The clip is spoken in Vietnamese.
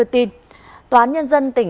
sắp tới nó mở adona